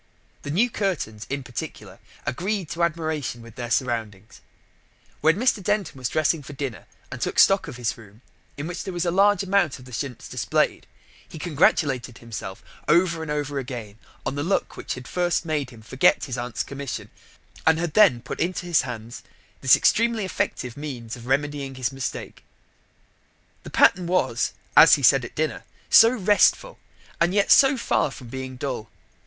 The new curtains, in particular, agreed to admiration with their surroundings. When Mr. Denton was dressing for dinner, and took stock of his room, in which there was a large amount of the chintz displayed, he congratulated himself over and over again on the luck which had first made him forget his aunt's commission and had then put into his hands this extremely effective means of remedying his mistake. The pattern was, as he said at dinner, so restful and yet so far from being dull.